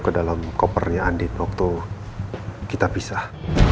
ke dalam kopernya andi waktu kita pisah